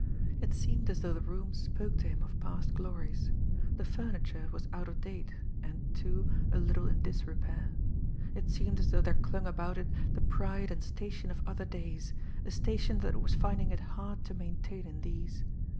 It seemed as though the room spoke to him of past glories. The furniture was out of date, and, too, a little in disrepair. It seemed as though there clung about it the pride and station of other days, a station that it was finding it hard to maintain in these.